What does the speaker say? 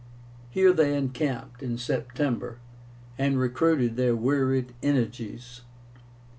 Here they encamped, in September, and recruited their wearied energies.